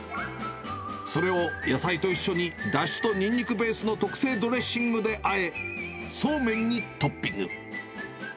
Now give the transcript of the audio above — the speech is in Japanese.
それを野菜と一緒にだしとにんにくベースの特製ドレッシングであえ、そうめんにトッピング。